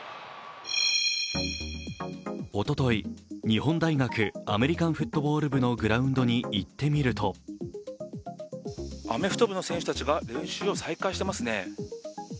おととい、日本大学アメリカンフットボール部のグラウンドに行ってみるとアメフト部の選手たちが練習を再開していますね。